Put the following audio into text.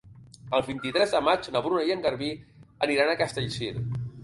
El vint-i-tres de maig na Bruna i en Garbí aniran a Castellcir.